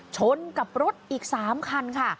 ชนกับรถอีก๓คันค่ะ